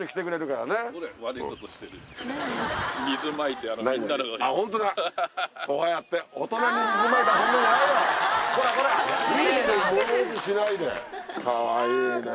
かわいいね。